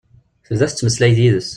Tebda tettmeslay d yid-s.